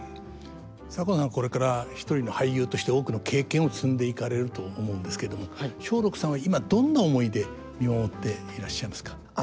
左近さんはこれから一人の俳優として多くの経験を積んでいかれると思うんですけれども松緑さんは今どんな思いで見守っていらっしゃいますか？